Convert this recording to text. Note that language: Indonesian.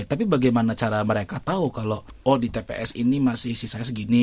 tapi bagaimana cara mereka tahu kalau oh di tps ini masih sisanya segini